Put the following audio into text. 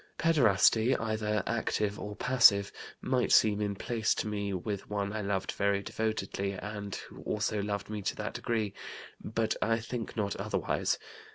Pederasty, either active or passive, might seem in place to me with one I loved very devotedly and who also loved me to that degree; but I think not otherwise.